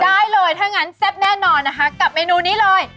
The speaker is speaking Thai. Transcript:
ได้เลยถ้างั้นแซ่บแน่นอนนะคะกับเมนูนี้เลย